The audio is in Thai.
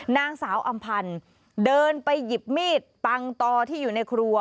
นางสาวอำพันธ์เดินไปหยิบมีดปังตอที่อยู่ในครัว